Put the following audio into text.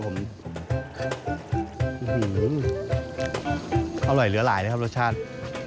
อร่อยเหลือหลายนะครับรสชาติ